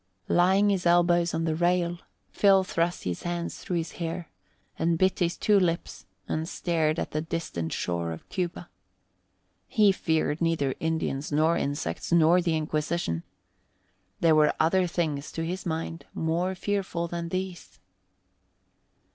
Laying his elbows on the rail, Phil thrust his hands through his hair and bit his two lips and stared at the distant shore of Cuba. He feared neither Indians nor insects nor the Inquisition. There were other things, to his mind, more fearful than these.